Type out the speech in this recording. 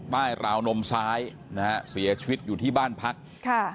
ราวนมซ้ายนะฮะเสียชีวิตอยู่ที่บ้านพักค่ะ